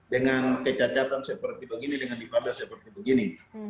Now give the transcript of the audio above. dengan kecacatan seperti begini dengan ibadah seperti begini